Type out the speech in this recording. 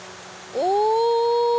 お！